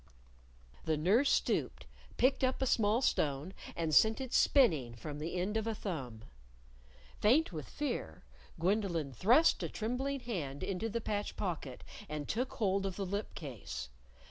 The nurse stooped, picked up a small stone, and sent it spinning from the end of a thumb. Faint with fear, Gwendolyn thrust a trembling hand into the patch pocket and took hold of the lip case.